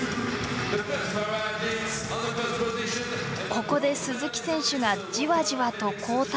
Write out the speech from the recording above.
ここで鈴木選手がじわじわと後退。